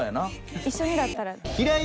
一緒にだったら。